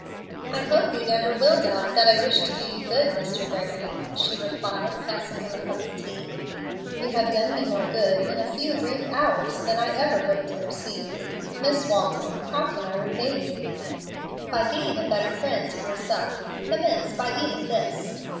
"I hope you never will doubt that I wish to do you good, Mr. Gregory," she replied, passing him a cup of tea. "You have done me more good in a few brief hours than I ever hoped to receive. Miss Walton, how can I repay you?" "By being a better friend to yourself. Commence by eating this."